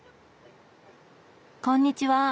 こんにちは。